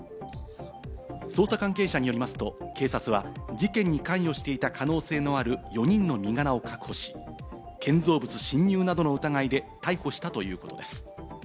捜査関係者によりますと、警察は事件に関与していた可能性のある４人の身柄を確保し、建造物侵入などの疑いで逮捕したということです。